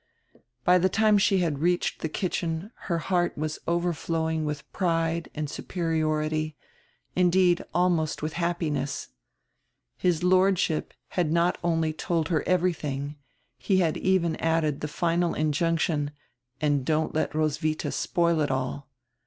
By die time she had reached die kitchen her heart was overflowing widi pride and superiority, indeed almost widi happiness. His Lordship had not only told her everydiing, he had even added the final injunction, "and don't let Ros widia spoil it all."